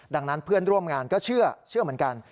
ดังนั้นเพื่อนร่วมงานก็เชื่อเหมือนกัน